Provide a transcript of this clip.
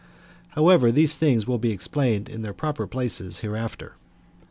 However, these things will come to be explained in their proper places hereafter.